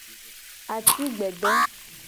Ati gbede.